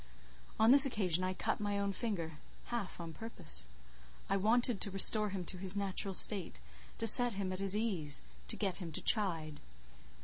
On this occasion I cut my own finger—half on purpose. I wanted to restore him to his natural state, to set him at his ease, to get him to chide.